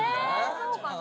そうかなあ。